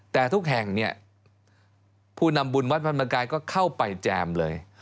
แต่ทุกแห่งเนี่ยผู้นำบุญวัดพระธรรมกายก็เข้าไปแจมเลย